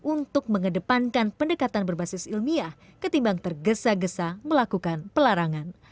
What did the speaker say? untuk mengedepankan pendekatan berbasis ilmiah ketimbang tergesa gesa melakukan pelarangan